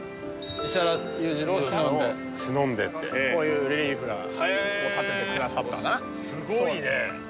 石原裕次郎をしのんでこういうレリーフを建ててくださったのかなすごいね！